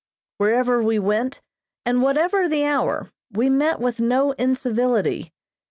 Wherever we went, and whatever the hour, we met with no incivility.